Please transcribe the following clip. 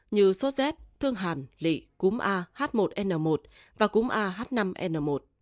như số z thương hàn lị cúm a h một n một và cúm a h năm n một